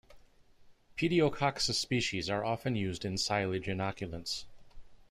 "Pediococcus" species are often used in silage inoculants.